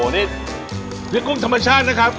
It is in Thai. นี่พริกกุ้งธรรมชาตินะครับ